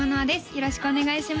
よろしくお願いします